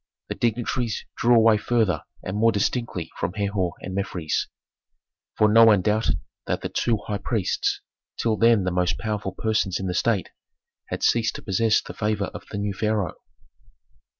The dignitaries drew away farther and more distinctly from Herhor and Mefres, for no one doubted that the two high priests, till then the most powerful persons in the state, had ceased to possess the favor of the new pharaoh.